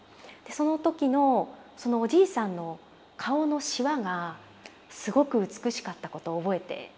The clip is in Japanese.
その時のそのおじいさんの顔のしわがすごく美しかったことを覚えているんですよね。